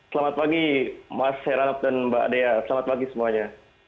selamat pagi mas heranop dan mbak dea selamat pagi semuanya